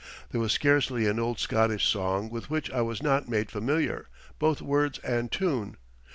There was scarcely an old Scottish song with which I was not made familiar, both words and tune.